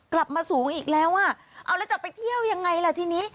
กลับมาสูงอีกแล้วอ่ะเอาแล้วจะไปเที่ยวยังไงล่ะทีนี้